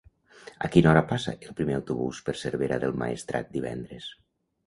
A quina hora passa el primer autobús per Cervera del Maestrat divendres?